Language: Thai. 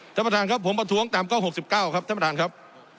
ท่านประธานครับผมประท้วงตามข้อ๖๙ครับท่านประธานครับ